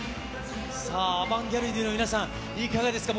さあ、アバンギャルディの皆さん、いかがですか。